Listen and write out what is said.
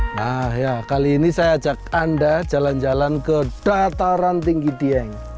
nah ya kali ini saya ajak anda jalan jalan ke dataran tinggi dieng